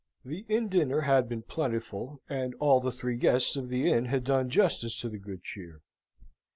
The inn dinner had been plentiful, and all the three guests of the inn had done justice to the good cheer.